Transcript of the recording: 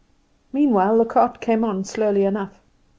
Meanwhile the cart came on slowly enough.